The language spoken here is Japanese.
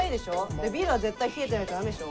でビールは絶対冷えてないと駄目っしょ。